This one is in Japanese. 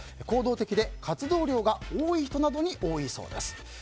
行動的で活動量が多い人などに多いそうです。